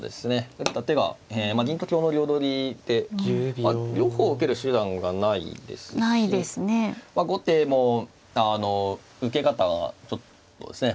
打った手が銀と香の両取りで両方受ける手段がないですし後手も受け方がちょっとですね